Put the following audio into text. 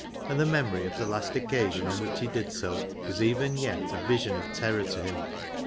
And the memory of the last occasion on which he did so was even yet a vision of terror to him.